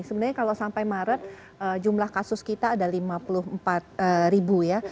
sebenarnya kalau sampai maret jumlah kasus kita ada lima puluh empat ribu ya